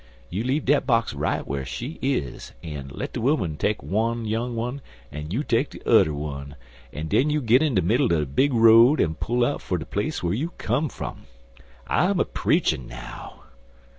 You leave dat box right whar she is, an, let de 'oman take wun young un an you take de udder wun, an' den you git in de middle er de big road an' pull out fer de place whar you come fum. I'm preachin' now."